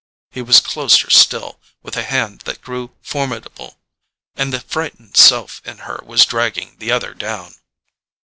He was closer still, with a hand that grew formidable; and the frightened self in her was dragging the other down.